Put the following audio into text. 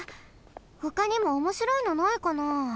ほかにもおもしろいのないかな？